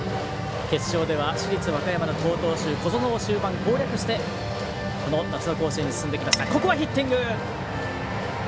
決勝では市立和歌山の好投手を攻略してこの夏の甲子園に進んできました。